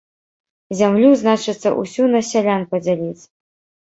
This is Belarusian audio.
Зямлю, значыцца, усю на сялян падзяліць.